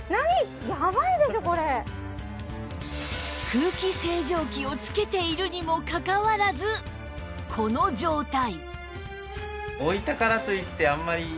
空気清浄機をつけているにもかかわらずこの状態